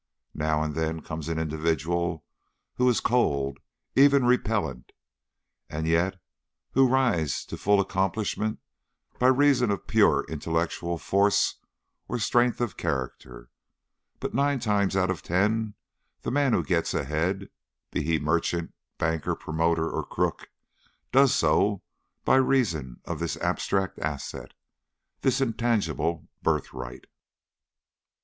Now and then comes an individual who is cold, even repellent, and yet who rises to full accomplishment by reason of pure intellectual force or strength of character; but nine times out of ten the man who gets ahead, be he merchant, banker, promoter, or crook, does so by reason of this abstract asset, this intangible birthright.